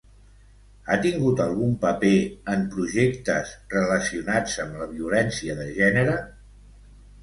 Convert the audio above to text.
Ha tingut algun paper en projectes relacionats amb la violència de gènere?